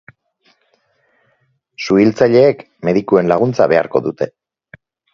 Suhiltzaileek medikuen laguntza beharko dute.